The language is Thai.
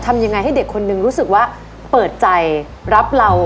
ทำยังไงให้เด็กคนนึงรู้สึกว่าเปิดใจรับเรา